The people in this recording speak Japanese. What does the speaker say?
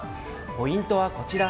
ポイントはこちら。